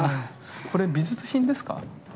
これ美術品ですか？